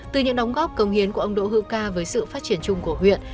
từ những đóng góp công hiến của ông đỗ hữu ca với sự phát triển chung của huyện